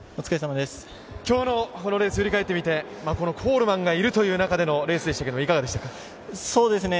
今日のこのレース、振り返ってみてコールマンがいるという中でのレースでしたが、いかがでしたか。